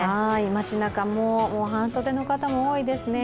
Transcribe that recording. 街なかも半袖の方も多いですね。